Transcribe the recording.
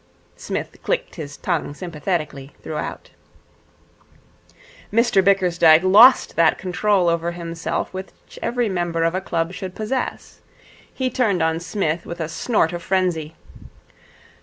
Psmith clicked his tongue sympathetically throughout. Mr Bickersdyke lost that control over himself which every member of a club should possess. He turned on Psmith with a snort of frenzy.